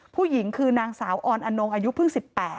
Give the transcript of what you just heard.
ผู้หญิงคือนางสาวออนอนงอายุเพิ่ง๑๘